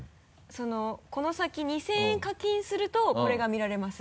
この先２０００円課金するとこれが見られます。